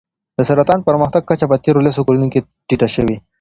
د سرطان پرمختګ کچه په تېرو لسو کلونو کې ټیټه شوې.